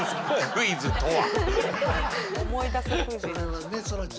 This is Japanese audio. クイズとは。